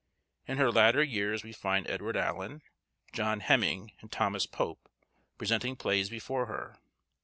In her latter years we find Edward Allen, John Heming, and Thomas Pope, presenting plays before her.